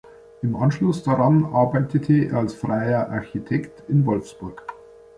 Im Anschluss daran arbeitete er als freier Architekt in Wolfsburg.